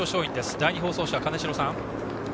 第２放送車、金城さん。